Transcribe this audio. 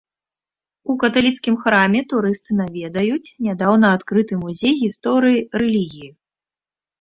У каталіцкім храме турысты наведаюць нядаўна адкрыты музей гісторыі рэлігіі.